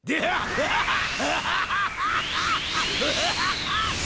ハハハッ。